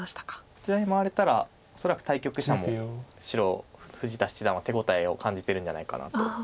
こちらに回れたら恐らく対局者も白富士田七段は手応えを感じてるんじゃないかなと。